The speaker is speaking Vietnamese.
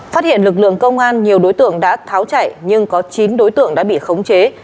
phát hiện lực lượng công an nhiều đối tượng đã tháo chạy nhưng có chín đối tượng đã bị khống chế